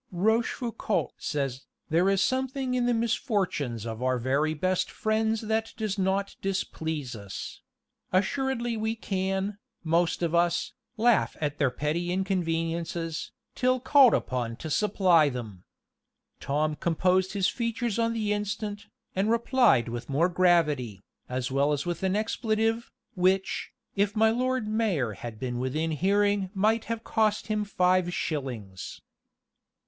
Rochefoucault says, there is something in the misfortunes of our very best friends that does not displease us; assuredly we can, most of us, laugh at their petty inconveniences, till called upon to supply them. Tom composed his features on the instant, and replied with more gravity, as well as with an expletive, which, if my Lord Mayor had been within hearing might have cost him five shillings.